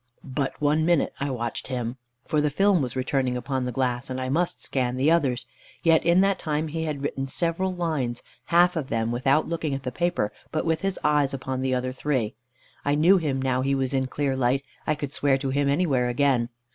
But one minute I watched him, for the film was returning upon the glass, and I must scan the others; yet in that time he had written several lines, half of them without looking at the paper, but with his eyes upon the other three. I knew him now he was in clear light, I could swear to him anywhere again.